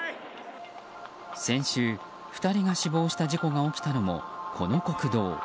先週、２人が死亡した事故が起きたのもこの国道。